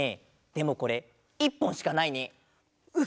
でもこれ１ぽんしかないね。ウキ。